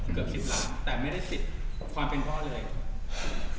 แต่ไม่ได้สิบความเป็นพ่อเลย